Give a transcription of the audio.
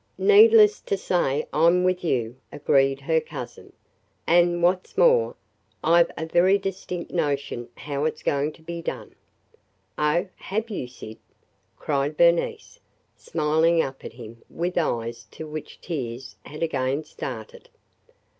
"Needless to say, I 'm with you," agreed her cousin. "And what 's more, I 've a very distinct notion how it 's going to be done!" "Oh, have you, Syd?" cried Bernice, smiling up at him with eyes to which tears had again started.